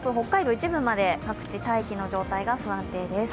一部まで各地、大気の状態が不安定です。